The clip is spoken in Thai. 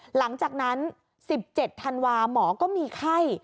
หลังจากนั้น๑๗ธันวาหมอก็มีไข้